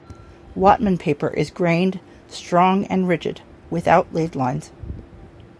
Whatman paper is grained, strong and rigid, without laid lines.